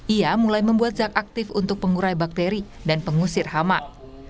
ia mulai membuat zak aktif untuk pengurai bakteri dan pengusir hama